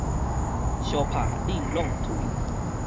相拍輾挵槌